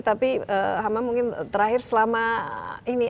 tapi hamam mungkin terakhir selama ini